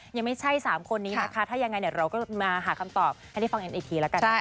ยังไม่ใช่๓คนนี้นะคะถ้ายังไงเราก็มาหาคำตอบให้ได้ฟังกันอีกทีแล้วกันนะคะ